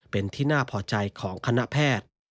เป็นที่น่าพอใจของคณะแพทย์